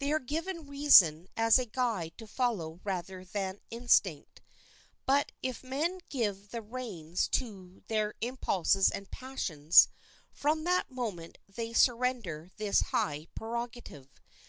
They are given reason as a guide to follow rather than instinct. But if men give the reins to their impulses and passions, from that moment they surrender this high prerogative.